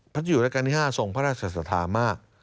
พระธุรกรรมนี้๕ทรงพระราชสถามาก